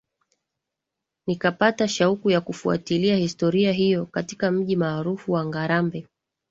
Nikapata shauku ya kufuatilia historia hiyo katika mji maarufu wa Ngarambe